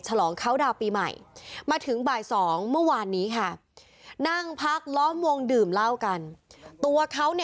ฉลองเขาดาวน์ปีใหม่มาถึงบ่าย๒เมื่อวานนี้ค่ะนั่งพักล้อมวงดื่มเหล้ากันตัวเขา